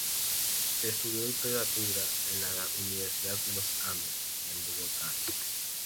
Estudió literatura en la Universidad de los Andes en Bogotá.